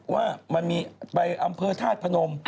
ว่ามันมีไปอำเภอธาตุพนม